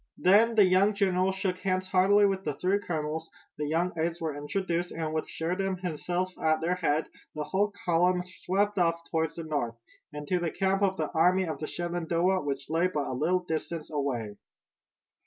Then the young general shook hands heartily with the three colonels, the young aides were introduced, and with Sheridan himself at their head the whole column swept off toward the north, and to the camp of the Army of the Shenandoah which lay but a little distance away.